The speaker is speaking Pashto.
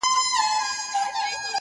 ورک د منزل په خیال مزل کښې اوسم